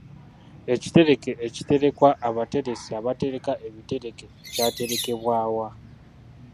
Ekitereke ekiterekwa abateresi abatereka ebitereke kyaterekebwa wa?